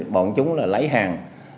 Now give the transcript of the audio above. bọn chúng là lấy hàng